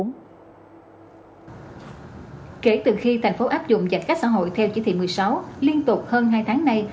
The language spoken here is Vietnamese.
kể từ khi thành phố áp dụng giãn cách xã hội theo chỉ thị một mươi sáu liên tục hơn hai tháng nay